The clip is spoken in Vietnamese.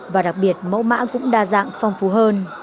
và đặc biệt mẫu mã cũng đa dạng phong phú hơn